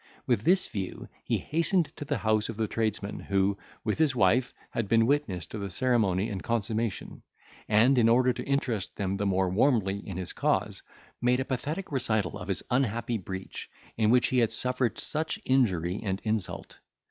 With this view, he hastened to the house of the tradesman, who, with his wife, had been witness to the ceremony and consummation; and, in order to interest them the more warmly in his cause, made a pathetic recital of this unhappy breach, in which he had suffered such injury and insult.